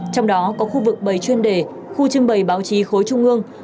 trong đó có khu vực bảy chuyên đề khu trưng bày báo chí khối trung ương